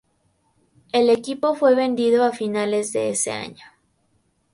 El equipo fue vendido a finales de ese año.